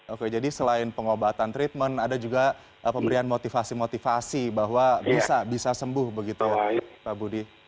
oke jadi selain pengobatan treatment ada juga pemberian motivasi motivasi bahwa bisa sembuh begitu pak budi